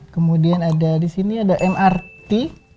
kemudian ada disini ada mrt